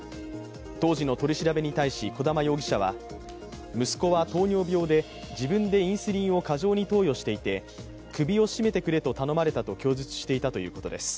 当時の取り調べに対し小玉容疑者は息子は糖尿病で自分でインスリンを過剰に投与していて首を絞めてくれと頼まれたと供述していたということです。